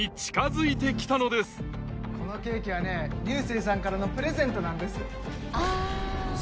このケーキはね流星さんからのプレゼントなんです。